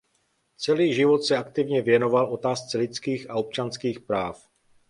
Celý život se aktivně věnoval otázce lidských a občanských práv.